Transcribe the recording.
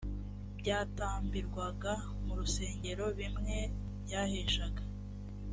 byatambirwaga mu rusengero bimwe byaheshaga